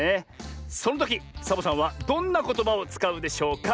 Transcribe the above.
そのときサボさんはどんなことばをつかうでしょうか？